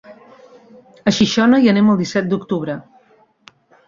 A Xixona hi anem el disset d'octubre.